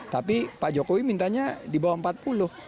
tapi pak jokowi mintanya di bawah empat puluh